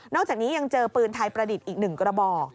จากนี้ยังเจอปืนไทยประดิษฐ์อีก๑กระบอก